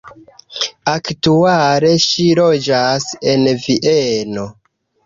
Aktuale ŝi loĝas en Vieno.